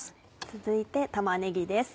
続いて玉ねぎです